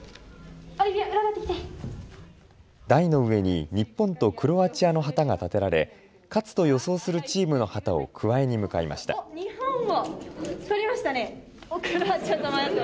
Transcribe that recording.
台の上に日本とクロアチアの旗が立てられ、勝つと予想するチームの旗をくわえに向かいました。